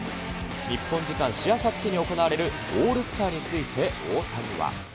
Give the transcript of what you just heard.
日本時間しあさってに行われるオールスターについて、大谷は。